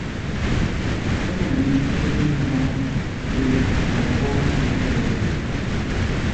Dragon Lee tiene otro hermano, William, que trabaja bajo el nombre de Rush.